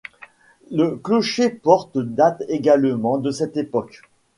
Le clocher-porte date également de cette époque.